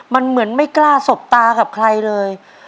มันไม่กล้าทรบตากับใครเลย